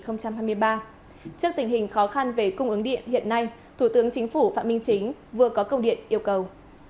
trước tình hình khó khăn về cung ứng điện hiện nay thủ tướng chính phủ phạm minh chính vừa có công điện yêu cầu